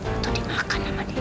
atau dimakan sama dia